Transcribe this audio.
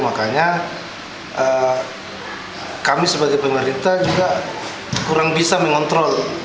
makanya kami sebagai pemerintah juga kurang bisa mengontrol